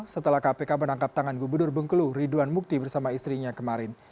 setelah kpk menangkap tangan gubernur bengkulu ridwan mukti bersama istrinya kemarin